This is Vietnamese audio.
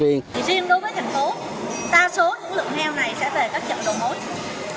riêng đối với thành phố ta số lượng heo này sẽ về các chợ đầu mối